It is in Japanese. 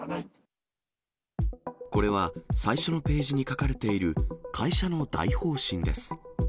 これは、最初のページに書かれている、会社の大方針です。